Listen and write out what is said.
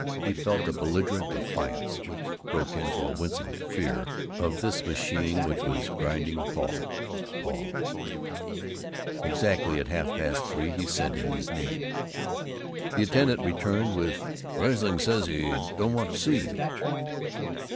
He felt a belligerent defiance which broke into a wincing fear of this machine which was grinding Paul Paul Exactly at half past three he sent in his name. The attendant returned with "Riesling says he don't want to see you."